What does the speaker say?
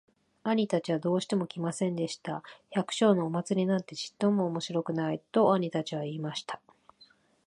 兄たちはどうしても来ませんでした。「百姓のお祭なんてちっとも面白くない。」と兄たちは言いました。